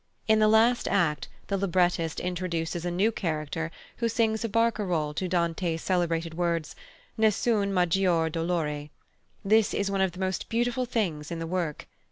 In the last act the librettist introduces a new character who sings a barcarolle to Dante's celebrated words, "Nessun maggior do lore." This is one of the most beautiful things in the work.